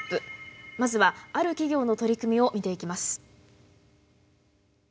まずはある企業の取り組みを見ていきます。